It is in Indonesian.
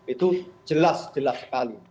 itu jelas sekali